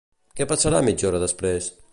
Què passarà mitja hora després?